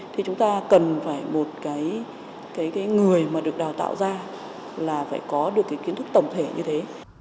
thì chúng ta cần phải một cái người mà được đào tạo ra là phải có được cái kiến thức tổng thể như thế